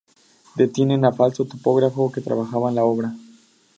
Detienen a falso topógrafo que trabajaba en la obra.